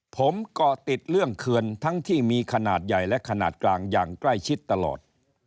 ผมเกาะติดเรื่องเขื่อนทั้งที่มีขนาดใหญ่และขนาดกลางอย่างใกล้ชิดตลอด